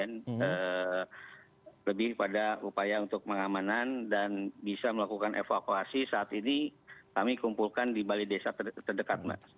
dan lebih pada upaya untuk pengamanan dan bisa melakukan evakuasi saat ini kami kumpulkan di bali desa terdekat